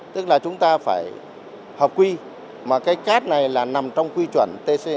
tức là chúng ta phải hợp quy mà cái cát này là nằm trong quy chuẩn một mươi sáu hai mươi bảy